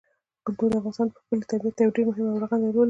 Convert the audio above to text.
کلتور د افغانستان په ښکلي طبیعت کې یو ډېر مهم او رغنده رول لري.